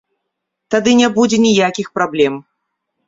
Тады не будзе ніякіх праблем.